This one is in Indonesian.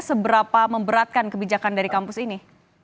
seberapa memberatkan kebijakan dari kampus ini